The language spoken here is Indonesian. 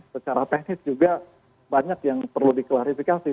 secara teknis juga banyak yang perlu diklarifikasi